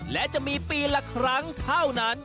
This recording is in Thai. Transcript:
และจะมีปีละครั้งเท่านั้น